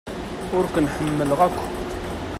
Ur ken-ḥemmleɣ akk.